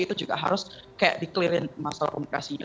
itu juga harus kayak di clear in masalah komunikasinya